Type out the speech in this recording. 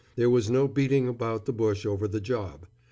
There was no beating about the bush over the job.